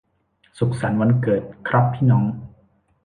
สุขสันต์วันเกิดครับพี่น้อง